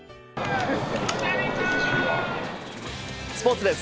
スポーツです。